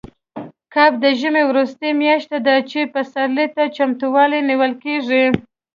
کب د ژمي وروستۍ میاشت ده، چې پسرلي ته چمتووالی نیول کېږي.